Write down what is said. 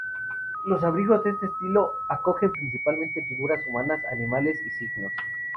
Los abrigos de este estilo acogen principalmente figuras humanas, animales y signos.